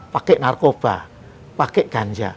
pakai narkoba pakai ganja